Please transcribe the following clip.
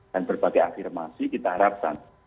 dan berbagai afirmasi kita harapkan